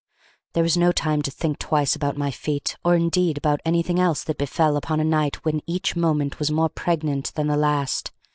There was no time to think twice about my feat, or, indeed, about anything else that befell upon a night when each moment was more pregnant than the last.